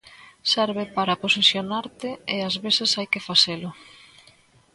Serve para posicionarte e ás veces hai que facelo.